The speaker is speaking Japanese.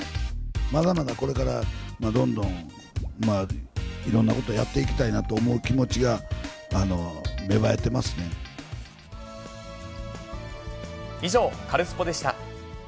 まだまだこれから、どんどんいろんなことをやっていきたいなと思う気持ちが芽生えて以上、カルスポっ！でした。